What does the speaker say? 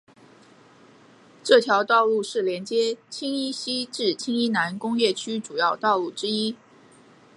这条道路是连接青衣西至青衣南工业区主要道路之一。